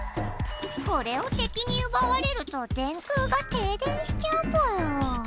これをてきにうばわれると電空が停電しちゃうぽよ。